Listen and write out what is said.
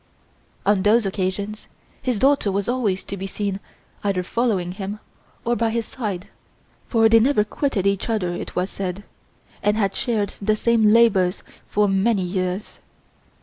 On those occasions his daughter was always to be seen either following him or by his side; for they never quitted each other, it was said, and had shared the same labours for many years.